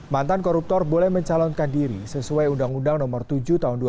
mantan koruptor boleh mencalonkan diri sesuai undang undang nomor tujuh tahun dua ribu tujuh belas dan putusan mk